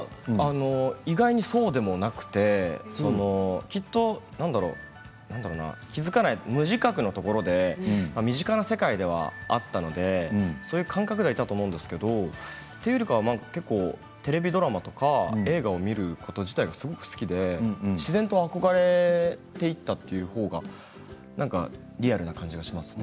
意外とそうでもなくてきっと何だろうな無自覚のところで身近な世界ではあったのでそういう感覚ではいたと思うんですけれどそれよりはテレビドラマとか映画を見ること自体がすごく好きで自然と憧れていったというほうがリアルな感じがします。